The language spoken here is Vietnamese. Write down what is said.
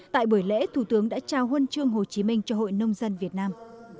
tại buổi lễ thủ tướng đã trao huân chương hồ chí minh cho hội nông dân việt nam